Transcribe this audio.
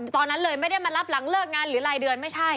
ตอนนั้นเลยไม่ได้มารับหลังเลิกงานหรือรายเดือนไม่ใช่